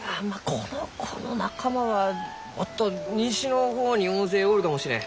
この子の仲間はもっと西の方に大勢おるかもしれん。